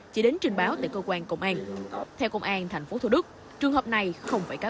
bị đến trình báo tại cơ quan công an theo công an thành phố thu đức trường hợp này không phải cá